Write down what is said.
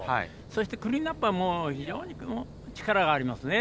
そして、クリーンアップは非常に力がありますね。